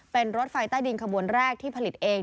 เป็นรถไฟใต้ดินขบวนแรกที่ผลิตเอง